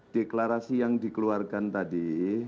deklarasi yang dikeluarkan tadi